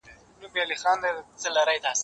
زه اوس درسونه اورم،